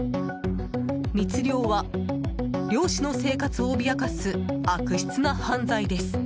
密漁は漁師の生活を脅かす悪質な犯罪です。